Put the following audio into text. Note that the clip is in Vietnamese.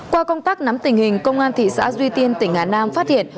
qua công tác nắm tình hình công an thị xã duy tiên tỉnh hà nam phát hiện